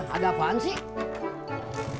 ada apaan sih